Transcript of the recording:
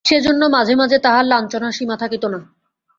সেজন্য মাঝে মাঝে তাহার লাঞ্ছনার সীমা থাকিত না।